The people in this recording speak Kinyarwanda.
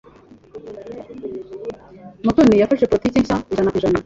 Mutoni yafashe politiki nshya ijana kwijana.